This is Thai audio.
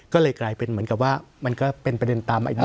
ก็เลยกลายเป็นเหมือนกับว่ามันก็เป็นประเด็นตามอันนี้